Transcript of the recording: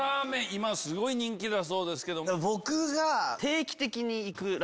今すごい人気だそうですけど。